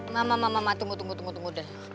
mama mama mama tunggu tunggu tunggu